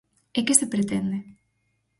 ¿E que se pretende?